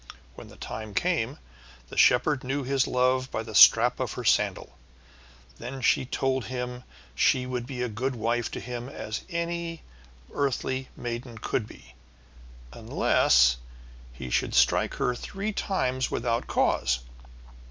When the time came the shepherd knew his love by the strap of her sandal. Then she told him she would be as good a wife to him as any earthly maiden could be unless he should strike her three times without cause.